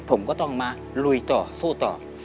ผมก็ต้องมาลุยต่อสู้ต่อ